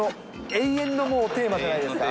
永遠のテーマじゃないですか。